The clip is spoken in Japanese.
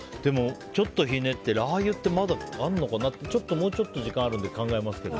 ちょっとひねってラー油ってまだあるのかなってもうちょっと時間あるんで考えますけど。